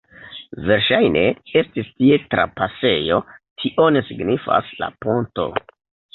Verŝajne estis tie trapasejo, tion signifas la ponto.